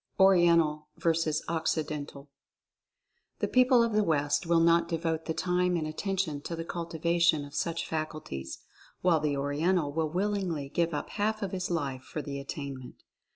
ORIENTAL VS. OCCIDENTAL. The people of the West will not devote the time and attention to the cultivation of such faculties, while the Oriental will willingly give up half of his life for the attainment.